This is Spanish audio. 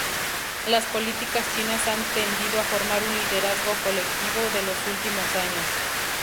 Las políticas chinas han tendido a formar un "liderazgo colectivo", de los últimos años.